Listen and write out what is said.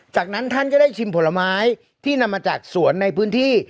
จากนั้นท่านก็ได้ชิมผลไม้ที่นำมาจากสวนในพื้นที่